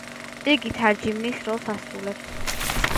იგი თარჯიმნის როლს ასრულებს.